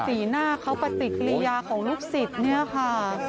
สีหน้าเขาประติกริยาของลูกสิทธิ์นี่ค่ะ